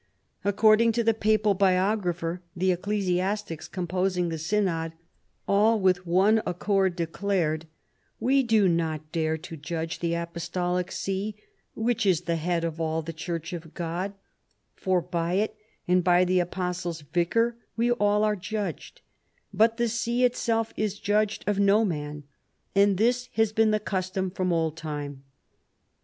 According to the papal biographer, the ecclesiastics composing the synod all with one accord declared :" We do not dare to judge the Apostolic see, which is the head of all the Church of God ; for by it and by the Apostle's vicar we all are judged, but the see itself is judged of no man, and this has been the custom from old time."